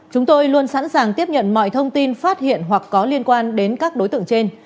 chúng tôi luôn sẵn sàng tiếp nhận mọi thông tin phát hiện hoặc có liên quan đến các đối tượng trên